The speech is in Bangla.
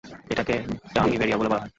এটাকে ডামি ভ্যারিয়েবলও বলা হয়।